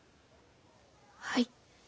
はい。